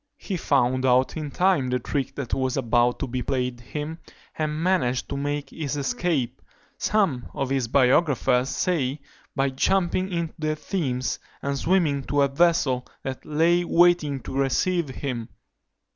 He found out in time the trick that was about to be played him, and managed to make his escape; some of his biographers say, by jumping into the Thames, and swimming to a vessel that lay waiting to receive him.